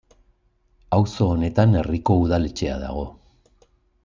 Auzo honetan herriko udaletxea dago.